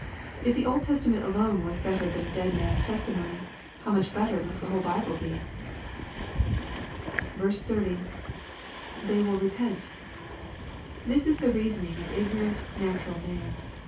If the Old Testament alone was better than a dead man's testimony, how much better must the whole Bible be I 30. — [They wiU repent!] This is the reasoning of ignorant natural man.